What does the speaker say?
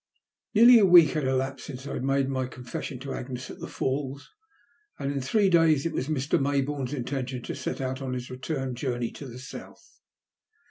NEAELY a week had elapsed since I had made nij confession to Agnes at the Falls, and in three days it was Mr. Mayboume's intention to set out en his return journey to the South.